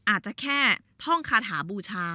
อาจจะแค่ท่องคาถาบูชา